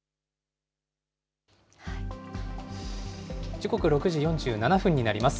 時刻６時４７分になります。